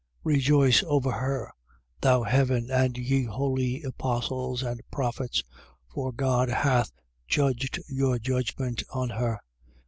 18:20. Rejoice over her, thou heaven and ye holy apostles and prophets. For God hath judged your judgment on her.